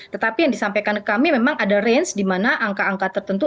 tetapi yang disampaikan ke kami memang ada range di mana angka angka tertentu